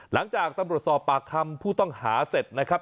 หลังจากตำรวจสอบปากคำผู้ต้องหาเสร็จนะครับ